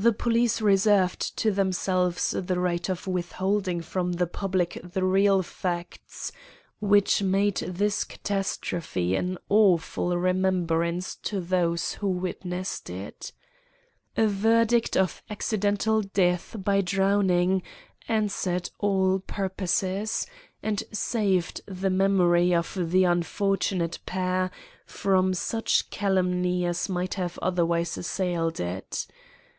The police reserved to themselves the right of withholding from the public the real facts which made this catastrophe an awful remembrance to those who witnessed it. A verdict of accidental death by drowning answered all purposes, and saved the memory of the unfortunate pair from such calumny as might have otherwise assailed it.